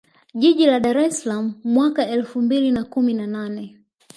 Jiji la Dar es Salaam mwaka elfu mbili na kumi na nane